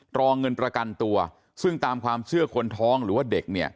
รอเงินประกันตัวซึ่งตามความเชื่อคนท้องหรือว่าเด็กเนี่ย